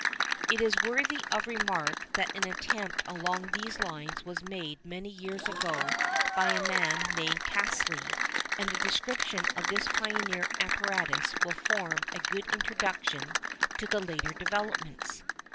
It is worthy of remark that an attempt along these lines was made many years ago by a man named Caselli, and a description of this pioneer apparatus will form a good introduction to the later developments.